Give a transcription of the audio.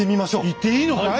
行っていいのかい？